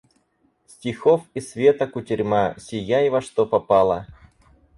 Стихов и света кутерьма — сияй во что попало!